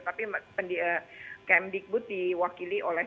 tapi kemdekbu diwakili oleh